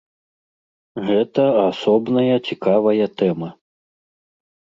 Гэта асобная цікавая тэма.